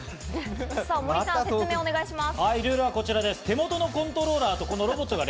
森さん、説明をお願いします。